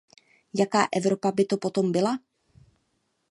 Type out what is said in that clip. Jaká Evropa by to potom byla?